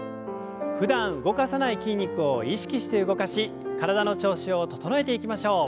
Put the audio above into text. ふだん動かさない筋肉を意識して動かし体の調子を整えていきましょう。